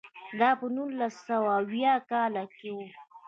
دا په نولس سوه اویاووه کال کې و.